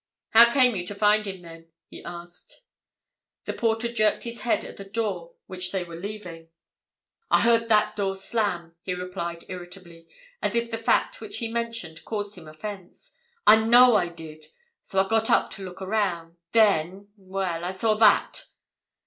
"How came you to find him, then?" he asked The porter jerked his head at the door which they were leaving. "I heard that door slam," he replied, irritably, as if the fact which he mentioned caused him offence. "I know I did! So I got up to look around. Then—well, I saw that!"